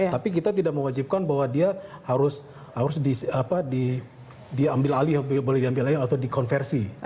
tapi kita tidak mewajibkan bahwa dia harus diambil alih atau dikonversi